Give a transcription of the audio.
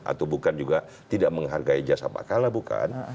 atau bukan juga tidak menghargai jasa pakala bukan